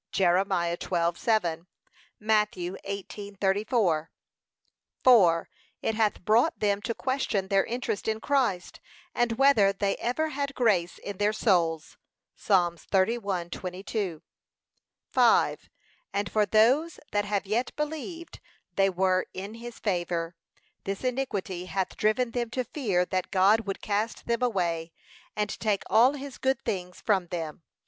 (Jer. 12:7; Matt. 18:34) (4.) It hath brought them to question their interest in Christ, and whether they ever had grace in their souls. (Psa. 31:22) (5.) And for those that have yet believed they were in his favour, this iniquity hath driven them to fear that God would cast them away, and take all his good things from them.